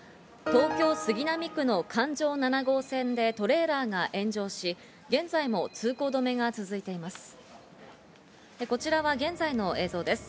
東京・杉並区の環状７号線でトレーラーが炎上し、現在も通行止めが続いています。